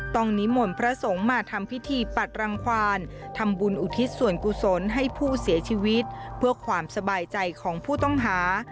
นิมนต์พระสงฆ์มาทำพิธีปัดรังควานทำบุญอุทิศส่วนกุศลให้ผู้เสียชีวิตเพื่อความสบายใจของผู้ต้องหา